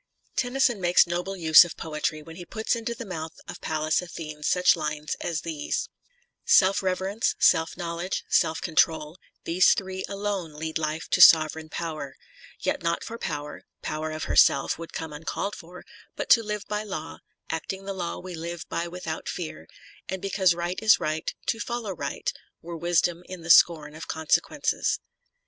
Tennyson makes noble use of poetry when he puts into the mouth of Pallas Athene such lines as these : Self reverence, seK knowledge, self control, These three alone lead life to sovereign power, Yet not for power (power of herself Would come uncalled for) but to live by law, Acting the law we live by without fear ; And because right is right, to follow right] Were wisdom in the scorn of consequences.